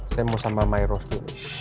saya mau sama mairove dulu